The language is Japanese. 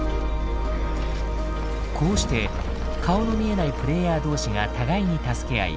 こうして顔の見えないプレイヤー同士が互いに助け合い